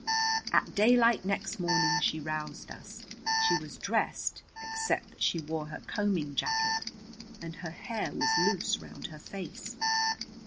At daylight next morning she roused us. She was dressed, except that she wore her combing jacket, and her hair was loose round her face.